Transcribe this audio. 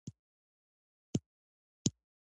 لومړی بریدمن په تمرینونو کې د خپلو سرتېرو لارښوونه کوي.